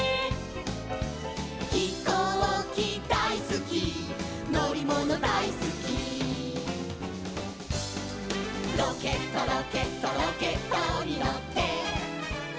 「ひこうきだいすきのりものだいすき」「ロケットロケットロケットにのって」